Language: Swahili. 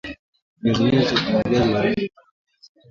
nyuzi nyuzi kwenye viazi huaribu ubara wa viazi